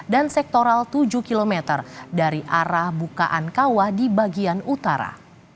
dan sektoral tujuh km dari arah bukaan kawah di bagian utara